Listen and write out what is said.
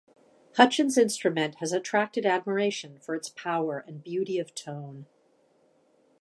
Hutchins's instrument has attracted admiration for its power and beauty of tone.